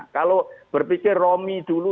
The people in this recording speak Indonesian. kalau berpikir romi dulu